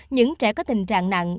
những trẻ có tình trạng nặng